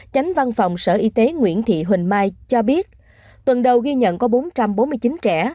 chánh văn phòng sở y tế nguyễn thị huỳnh mai cho biết tuần đầu ghi nhận có bốn trăm bốn mươi chín trẻ